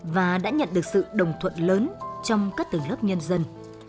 và đã nhận được sự đồng thuận lớn trong các tầng lớp nhân dân